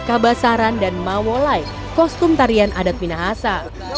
kabasaran dan mawolai kostum tarian adat minahasa